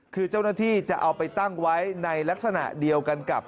คือเจ้าหน้าที่จะเอาไปตั้งไว้ในลักษณะเดียวกันกับ